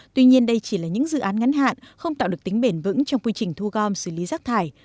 tuy nhiên đây chỉ là những dự án ngắn hạn không tạo được tính bền vững trong quy trình thu gom xử lý rác thải